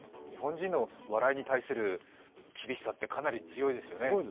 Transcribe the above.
日本人の笑いに対する厳しさってかなり強いですよね。